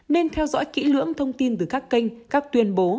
nên theo dõi kỹ lưỡng thông tin từ các kênh các tuyên bố